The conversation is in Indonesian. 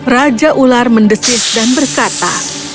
raja ular mendesis dan berkata